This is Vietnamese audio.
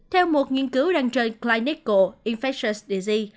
theo một nghiên cứu đăng trên clinical infectious disease